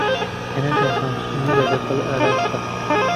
کەنەدا هاوسنوورە لەگەڵ ئالاسکا.